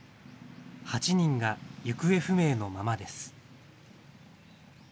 ８人が行方不明のままです。